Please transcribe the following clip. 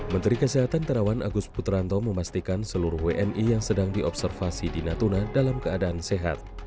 menteri kesehatan terawan agus putranto memastikan seluruh wni yang sedang diobservasi di natuna dalam keadaan sehat